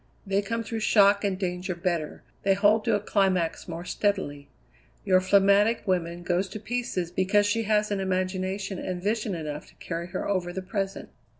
They come through shock and danger better, they hold to a climax more steadily. Your phlegmatic woman goes to pieces because she hasn't imagination and vision enough to carry her over the present."